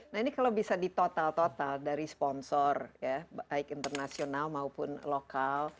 nah ini kalau bisa di total total dari sponsor ya baik internasional maupun lokal